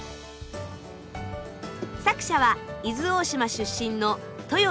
作者は伊豆大島出身のとよ